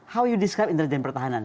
how you describe intelijen pertahanan